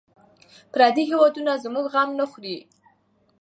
پردي هېوادونه زموږ غم نه خوري.